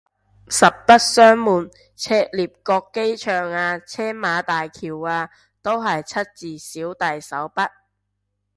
實不相瞞，赤鱲角機場啊青馬大橋啊都係出自小弟手筆